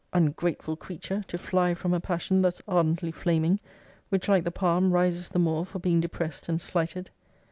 Ungrateful creature, to fly from a passion thus ardently flaming! which, like the palm, rises the more for being depressed and slighted.